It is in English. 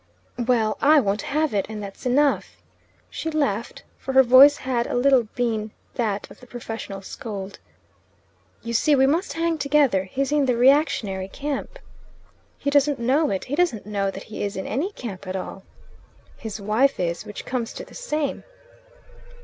"Well, I won't have it, and that's enough." She laughed, for her voice had a little been that of the professional scold. "You see we must hang together. He's in the reactionary camp." "He doesn't know it. He doesn't know that he is in any camp at all." "His wife is, which comes to the same."